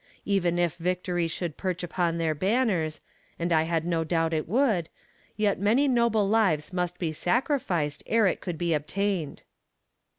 Even if victory should perch upon their banners, and I had no doubt it would, yet many noble lives must be sacrificed ere it could be obtained.